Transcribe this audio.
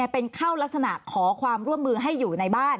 เป็นเข้ารักษณะขอความร่วมมือให้อยู่ในบ้าน